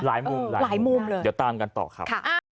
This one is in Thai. หลายมุมเลยเดี๋ยวตามกันต่อครับ